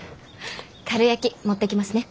かるやき持ってきますね。